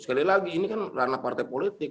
sekali lagi ini kan ranah partai politik